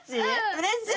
うれしい。